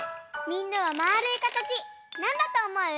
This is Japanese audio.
みんなはまあるいかたちなんだとおもう？